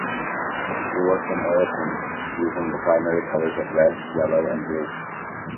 He works in oil paints, using the primary colors of red, yellow, and blue.